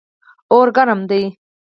اور ګرم ده